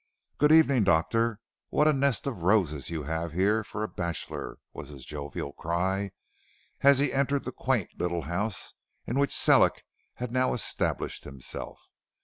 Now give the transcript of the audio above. "Good evening, Doctor; what a nest of roses you have here for a bachelor," was his jovial cry, as he entered the quaint little house, in which Sellick had now established himself.